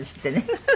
フフ。